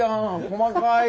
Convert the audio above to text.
細かい。